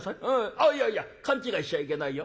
あっいやいや勘違いしちゃいけないよ。